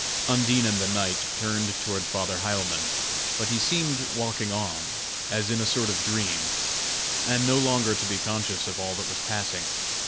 Undine and the knight turned toward Father Heilmann; but he seemed walking on, as in a sort of dream, and no longer to be conscious of all that was passing.